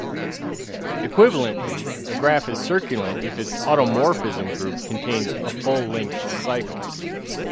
Equivalently, a graph is circulant if its automorphism group contains a full-length cycle.